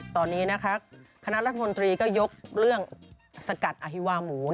ตอนนี้นะคะคณะรัฐมนตรีก็ยกเรื่องสกัดอฮิวาหมู